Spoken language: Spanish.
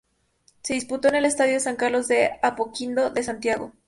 Se disputó en el estadio San Carlos de Apoquindo de Santiago.